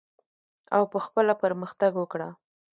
او په خپله پرمختګ وکړه.